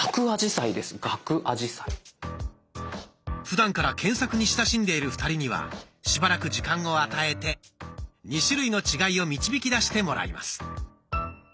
ふだんから検索に親しんでいる２人にはしばらく時間を与えて２種類の違いを導きだしてもらいます。